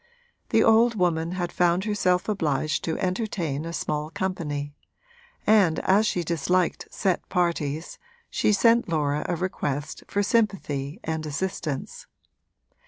The old woman had found herself obliged to entertain a small company, and as she disliked set parties she sent Laura a request for sympathy and assistance.